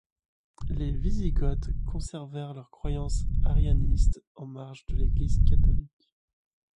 Les Wisigoths conservèrent leurs croyances arianistes en marge de l'Église catholique.